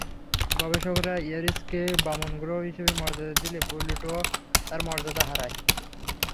গবেষকেরা এরিসকে বামন গ্রহ হিসেবে মর্যাদা দিলে প্লুটোও তার মর্যাদা হারায়।